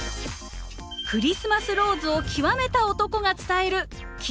クリスマスローズを極めた男が伝える極めの道！